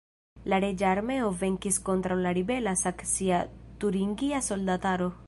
La reĝa armeo venkis kontraŭ la ribela saksia-turingia soldataro.